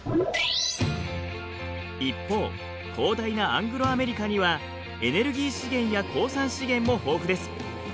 一方広大なアングロアメリカにはエネルギー資源や鉱産資源も豊富です。